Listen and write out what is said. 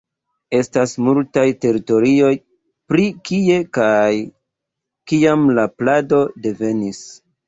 Estas multaj teorioj pri kie kaj kiam la plado devenis.